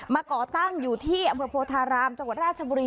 ก่อตั้งอยู่ที่อำเภอโพธารามจังหวัดราชบุรี